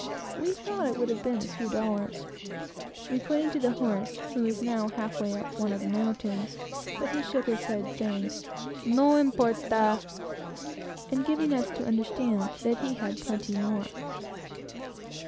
We thought it would have been a few dollars. We pointed to the horse, which was now half way up one of the mountains; but he shook his head, saying, "No importe!" and giving us to understand that he had plenty more.